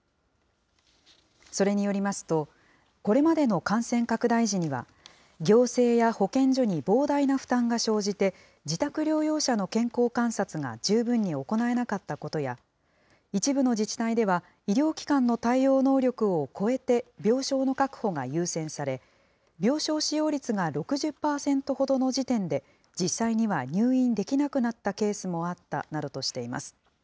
それによりますと、これまでの感染拡大時には、行政や保健所に膨大な負担が生じて、自宅療養者の健康観察が十分に行えなかったことや、一部の自治体では、医療機関の対応能力を超えて、病床の確保が優先され、病床使用率が６０％ほどの時点で、実際には入院できなくなったケースもあったなどとしています。